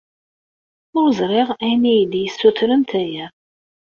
Ur ẓriɣ ayen i yi-d-ssutrent aya.